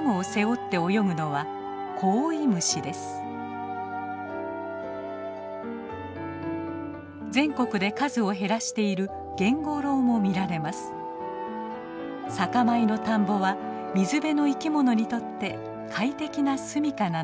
酒米の田んぼは水辺の生き物にとって快適な住みかなのです。